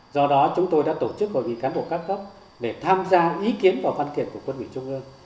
do đó chúng tôi đã tổ chức hội nghị cán bộ các cấp để tham gia ý kiến vào văn kiện của quân ủy trung ương